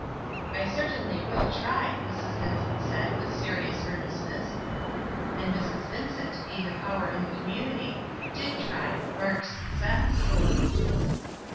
"I certainly will try," Mrs. Vincent said v with serious earnestness. And Mrs. Vincent, being a power in the com munity, did try with marked success.